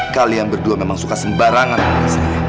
kalian berdua memang suka sembarangan sama saya